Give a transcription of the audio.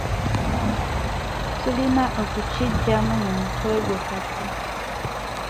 Tulina okukigyamu mu mutwe gwe kati.